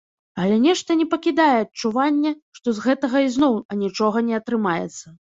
Але нешта не пакідае адчуванне, што з гэтага ізноў анічога не атрымаецца.